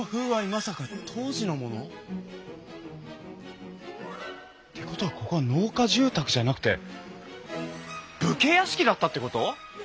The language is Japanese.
まさか当時のもの？ってことはここは農家住宅じゃなくて武家屋敷だったってこと！？